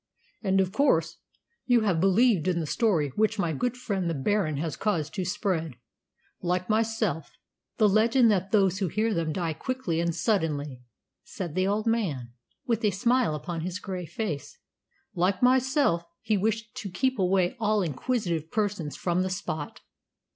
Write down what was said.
"And of course you have believed in the story which my good friend the Baron has caused to be spread, like myself: the legend that those who hear them die quickly and suddenly," said the old man, with a smile upon his grey face. "Like myself, he wished to keep away all inquisitive persons from the spot."